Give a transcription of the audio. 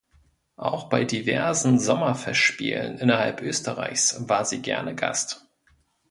Auch bei diversen Sommerfestspielen innerhalb Österreichs war sie gerne Gast.